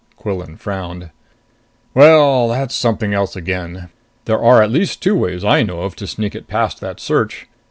Quillan frowned. "Well, that's something else again! There are at least two ways I know of to sneak it past that search.